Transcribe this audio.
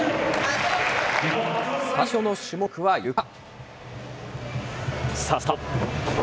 最初の種目はゆか。